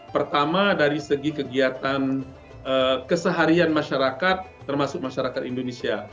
pertama dari segi kegiatan keseharian masyarakat termasuk masyarakat indonesia